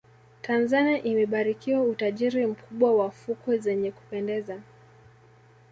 tanzania imebarikiwa utajiri mkubwa wa fukwe zenye kupendeza